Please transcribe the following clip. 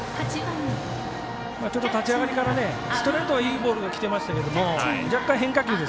立ち上がりからストレートいいボールできてましたけど若干、変化球で。